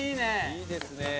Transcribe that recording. いいですね。